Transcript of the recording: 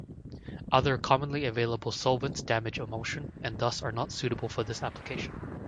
Other commonly available solvents damage emulsion, and thus are not suitable for this application.